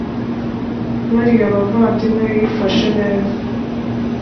bariya bavandimwe yifashe neza